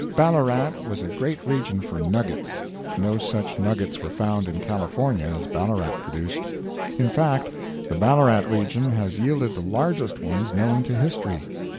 Ballarat was a great region for "nuggets." No such nuggets were found in California as Ballarat produced. In fact, the Ballarat region has yielded the largest ones known to history.